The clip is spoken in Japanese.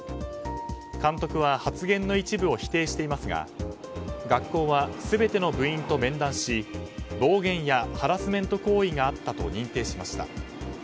監督は発言の一部を否定していますが学校は全ての部員と面談し暴言やハラスメント行為があったと認定しました。